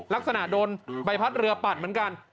ลักษณะโดนใบพัดเรือปัดเหมือนกัน